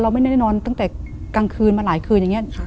ไม่ได้นอนตั้งแต่กลางคืนมาหลายคืนอย่างนี้